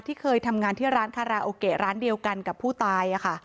เคยทำงานที่ร้านคาราโอเกะร้านเดียวกันกับผู้ตายค่ะ